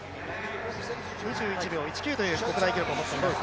２１秒１９という国内記録を持っています。